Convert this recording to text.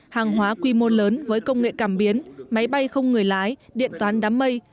hàng hóa quy mô lớn với công nghệ cảm biến máy bay không người lái điện toán đám mây